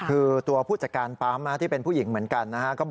คือตัวผู้จัดการปั๊มที่เป็นผู้หญิงเหมือนกันนะครับ